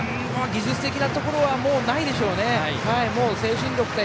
技術的なところはもうないでしょうね。